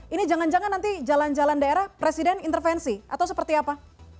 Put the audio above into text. ini jangan jangan nanti jalan jalan daerah presiden intervensi atau seperti apa